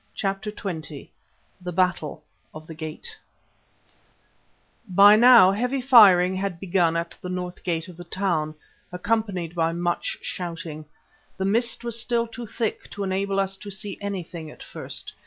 CHAPTER XX THE BATTLE OF THE GATE By now heavy firing had begun at the north gate of the town, accompanied by much shouting. The mist was still too thick to enable us to see anything at first.